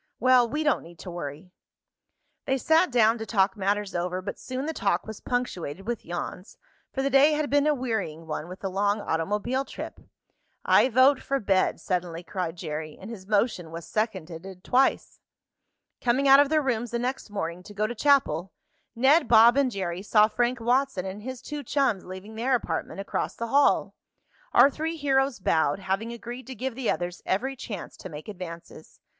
Well, we don't need to worry." They sat down to talk matters over, but soon the talk was punctuated with yawns, for the day had been a wearying one with the long automobile trip. "I vote for bed!" suddenly cried Jerry, and his motion was seconded twice. Coming out of their rooms the next morning to go to chapel, Ned, Bob and Jerry saw Frank Watson and his two chums leaving their apartment across the hall. Our three heroes bowed, having agreed to give the others every chance to make advances.